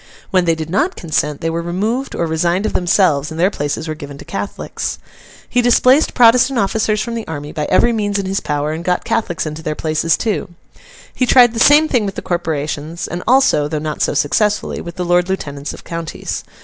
When they did not consent, they were removed, or resigned of themselves, and their places were given to Catholics. He displaced Protestant officers from the army, by every means in his power, and got Catholics into their places too. He tried the same thing with the corporations, and also (though not so successfully) with the Lord Lieutenants of counties.